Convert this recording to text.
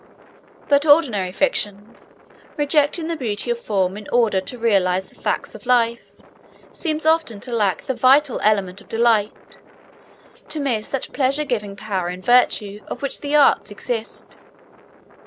But ordinary fiction, rejecting the beauty of form in order to realise the facts of life, seems often to lack the vital element of delight, to miss that pleasure giving power in virtue of which the arts exist.